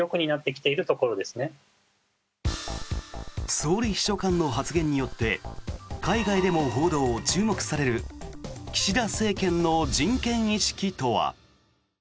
総理秘書官の発言によって海外でも報道、注目される岸田政権の人権意識とは。